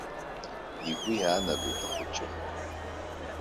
Игәы иаанагеит ахәыҷы.